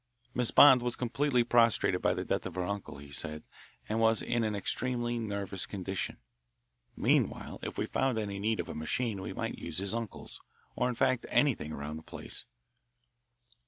Miss Bond was completely prostrated by the death of her uncle, he said, and was in an extremely nervous condition. Meanwhile if we found any need of a machine we might use his uncle's, or in fact anything around the place.